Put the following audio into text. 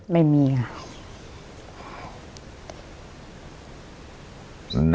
ไม่มีค่ะ